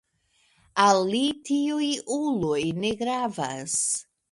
Al li tiuj uloj ne gravas.